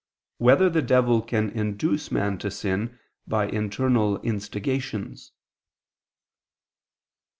2] Whether the Devil Can Induce Man to Sin, by Internal Instigations?